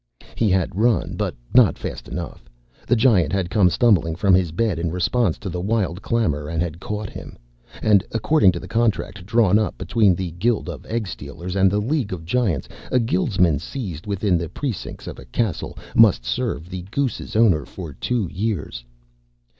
He had run, but not fast enough. The Giant had come stumbling from his bed in response to the wild clamor and had caught him. And, according to the contract drawn up between the Guild of Egg stealers and the League of Giants, a guildsman seized within the precincts of a castle must serve the goose's owner for two years.